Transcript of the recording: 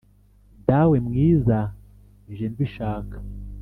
dawe mwiza nje mbishaka